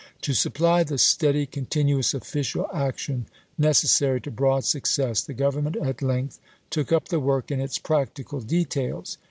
To supply the steady, continuous official action necessary to broad success, the Grovernment at length took up the work in its practical details.